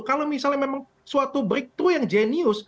kalau misalnya memang suatu breakthroug yang jenius